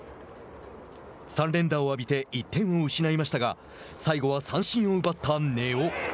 ３連打を浴びて１点を失いましたが最後は三振を奪った根尾。